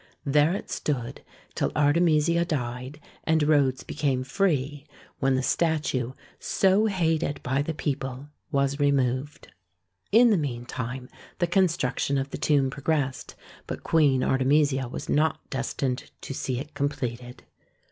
There it stood till Artemisia died and Rhodes became free, when the statue, so hated by the people, was removed. In the meantime the construction of the tomb progressed, but Queen Artemisia was not destined to see it completed.